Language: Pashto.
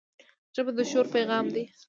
ژبه د شعور پیغام ده